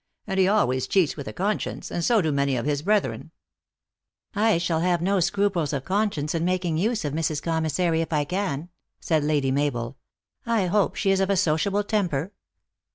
And he always cheats with a conscience, and so do many of his brethren." " I shall have no scruples of conscience in making use of Mrs. Commissary, if I can," said Lady Mabel. " I hope she is of a sociable temper